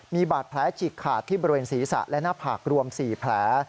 มีบาดแผลฉีกขาดที่บริเวณศีรษะและหน้าผากรวม๔แผล